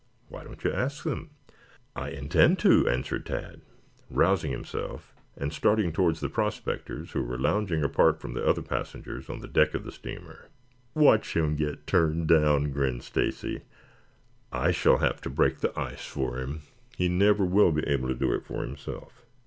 "Why don't you ask them?" "I intend to," answered Tad, rousing himself and starting towards the prospectors who were lounging apart from the other passengers on the deck of the steamer. "Watch him get turned down," grinned Stacy. "I shall have to break the ice for him. He never will be able to do it for himself."